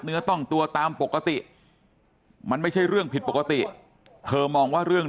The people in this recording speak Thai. เนื้อต้องตัวตามปกติมันไม่ใช่เรื่องผิดปกติเธอมองว่าเรื่อง